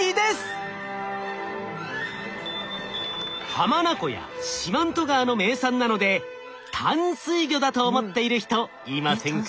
浜名湖や四万十川の名産なので淡水魚だと思っている人いませんか？